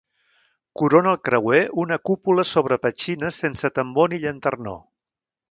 Corona el creuer una cúpula sobre petxines sense tambor ni llanternó.